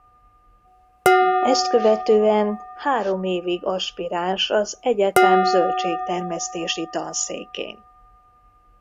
Ezt követően három évig aspiráns az egyetem zöldségtermesztési tanszékén.